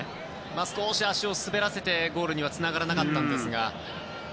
少し足を滑らせてゴールにはつながりませんでしたが。